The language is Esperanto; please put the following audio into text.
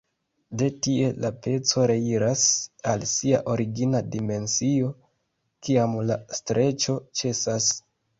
De tie la peco reiras al sia origina dimensio, kiam la streĉo ĉesas.